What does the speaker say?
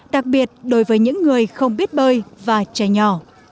đặc biệt đối với những người không biết bơi và trẻ nhỏ